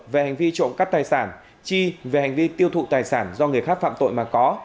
về hành vi trộm cắp tài sản chi về hành vi tiêu thụ tài sản do người khác phạm tội mà có